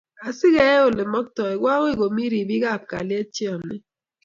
Asikeyai olemaktoi, ko akoi komii ripik ap kalyet cheyemei